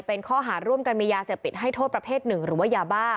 เป็นข้อหาร่วมกันมียาเสพติดให้โทษประเภทหนึ่งหรือว่ายาบ้า